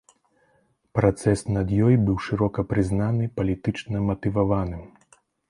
Працэс над ёй быў шырока прызнаны палітычна матываваным.